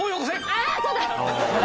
ああっそうだ！